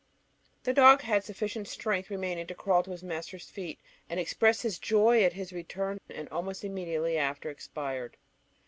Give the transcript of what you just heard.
The dog had sufficient strength remaining to crawl to his master's feet, and express his joy at his return, and almost immediately after expired.